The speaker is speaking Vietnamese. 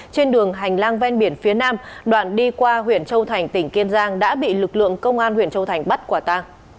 trên đường hành lang ven biển phía nam đoạn đi qua huyện châu thành tỉnh kiên giang đã bị lực lượng công an huyện châu thành bắt quả ta